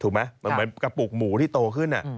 ถูกไหมมันเหมือนกระปุกหมูที่โตขึ้นอ่ะ